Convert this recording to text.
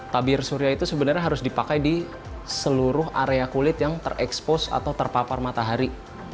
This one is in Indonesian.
tabir surya itu sebenarnya harus dipakai di seluruh area kulit yang terekspos atau terpapar matahari